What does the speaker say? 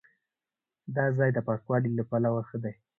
دا ځای د پاکوالي له پلوه ښه دی.